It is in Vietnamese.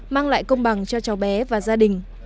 mang lại công bằng cho cháu bé và gia đình